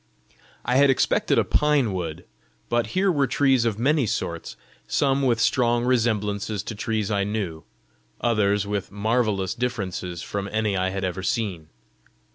I had expected a pine wood, but here were trees of many sorts, some with strong resemblances to trees I knew, others with marvellous differences from any I had ever seen.